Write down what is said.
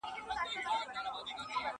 هغه خلک چې غوښه خوړلې وي بدن یې بد بوی لري.